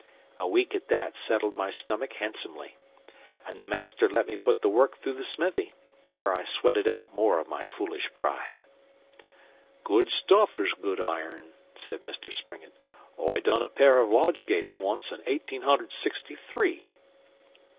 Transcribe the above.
A week at that settled my stomach handsomely, and the Master let me put the work through the smithy, where I sweated out more of my foolish pride.' 'Good stuff is good iron,' said Mr Springett. 'I done a pair of lodge gates once in Eighteen hundred Sixty three.